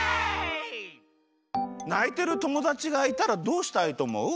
ないてるともだちがいたらどうしたいとおもう？